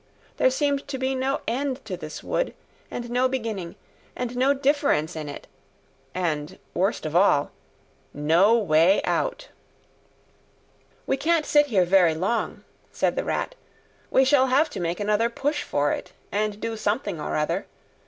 There seemed to be no end to this wood, and no beginning, and no difference in it, and, worst of all, no way out. "We can't sit here very long," said the Rat. "We shall have to make another push for it, and do something or other.